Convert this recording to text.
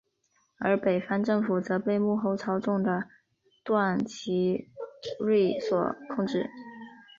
而北方政府则被幕后操纵的段祺瑞所控制。